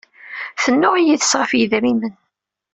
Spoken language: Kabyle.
Tennuɣ yid-s ɣef yidrimen.